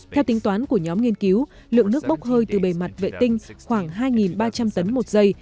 theo tính toán của nhóm nghiên cứu lượng nước bốc hơi từ bề mặt vệ tinh khoảng hai ba trăm linh tấn một giây